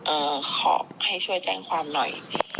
ขอให้ช่วยแจ้งความหน่อย